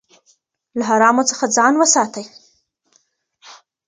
له حرامو څخه ځان وساتئ.